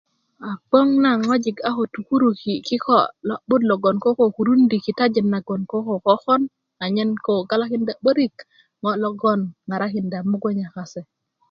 agboŋ naŋ ŋwajik a ko tukuruki lo'but logon ko kurundi kitajin nagon ko kokon anyen ko galakinda 'börik ŋo logon ŋarakinda migunya kase